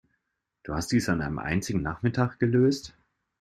Du hast dies an einem einzigen Nachmittag gelöst?